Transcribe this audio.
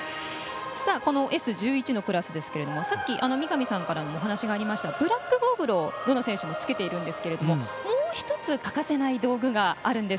このＳ１１のクラスさっき、三上さんからもお話のあったブラックゴーグルをどの選手もつけているんですがもう１つ欠かせない道具があるんです。